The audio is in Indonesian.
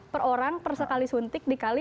per orang persekali suntik dikali